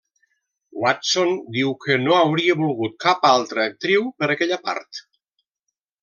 Watson diu que no hauria volgut cap altra actriu per aquella part.